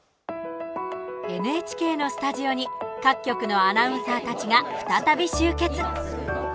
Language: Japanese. ＮＨＫのスタジオに各局のアナウンサーたちが再び集結。